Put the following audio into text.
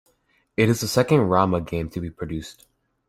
It is the second Rama game to be produced.